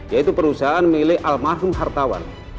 yaitu perusahaan milik almarhum hartawan